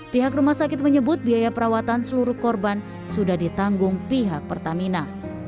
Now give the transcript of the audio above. pihak rumah sakit menyebut biaya perawatan seluruh korban sudah ditanggung pihak pertamina